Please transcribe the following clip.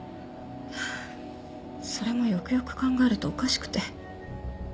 それもよくよく考えるとおかしくて。